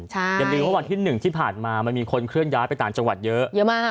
อย่าลืมว่าวันที่๑ที่ผ่านมามันมีคนเคลื่อนย้ายไปต่างจังหวัดเยอะเยอะมาก